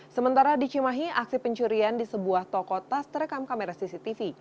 sementara di cimahi aksi pencurian di sebuah toko tas terekam kamera cctv